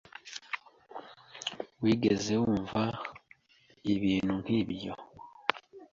Wigeze wumva ibintu nkibyo?